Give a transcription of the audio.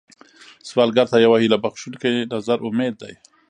سوالګر ته یو هيله بښونکی نظر امید دی